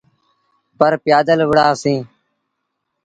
پر پيٚآدل وُهڙآ سيٚݩ۔